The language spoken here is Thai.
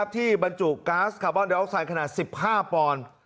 บรรจุก๊าซคาร์บอนไดออกไซด์ขนาด๑๕ปอนด์